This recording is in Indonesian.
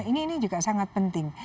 ini juga sangat penting